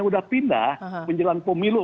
sudah pindah menjelang pemilu